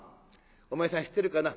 「お前さん知ってるかな？